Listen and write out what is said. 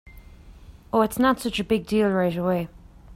Oh, it’s not such a big deal right away.